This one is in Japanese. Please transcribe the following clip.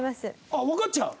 あっわかっちゃう？